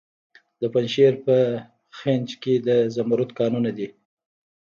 د پنجشیر په خینج کې د زمرد کانونه دي.